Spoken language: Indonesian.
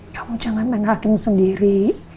kamu jangan main main laki lakimu sendiri